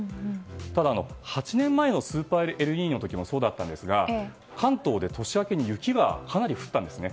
ただ、８年前のスーパーエルニーニョの時もそうでしたが関東で年明けに雪がかなり降ったんですね。